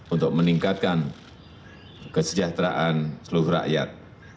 untuk meningkatkan kesejahteraan seluruh rakyat